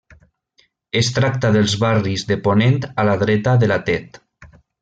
Es tracta dels barris de ponent a la dreta de la Tet.